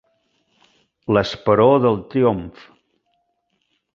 L'esperó del triomf.